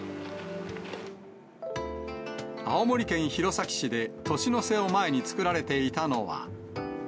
青森県弘前市で年の瀬を前に作られていたのは。